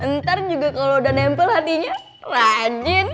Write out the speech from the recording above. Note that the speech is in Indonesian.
ntar juga kalau udah nempel hatinya rajin